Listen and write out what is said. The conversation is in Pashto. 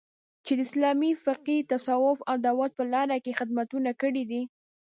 چې د اسلامي فقې، تصوف او دعوت په لاره کې یې خدمتونه کړي دي